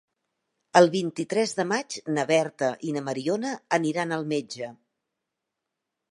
El vint-i-tres de maig na Berta i na Mariona aniran al metge.